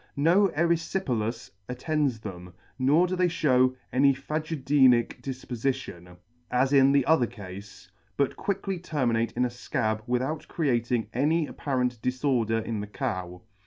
No eryfipelas attends them, nor do they fhew any phagedenic difpofition, as in the other cafe, but quickly terminate in a fcab with out creating any apparent diforder in the Cow.